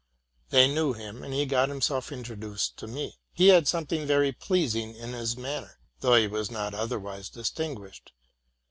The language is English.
They knew him, and he got him self introduced to me. He had something very pleasing in his manner, though he was not otherwise distinguished.